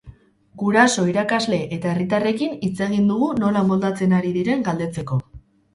Guraso, ikarasle eta herritarrekin hitz egin dugu nola moldatzen ari diren galdetzeko.